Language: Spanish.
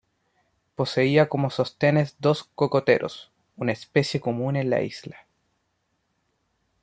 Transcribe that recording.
Poseía como sostenes dos cocoteros, una especie común en la isla.